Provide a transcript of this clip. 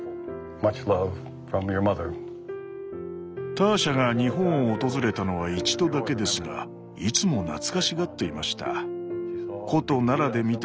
ターシャが日本を訪れたのは一度だけですがいつも懐かしがっていました。